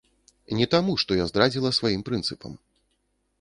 Не таму, што я здрадзіла сваім прынцыпам.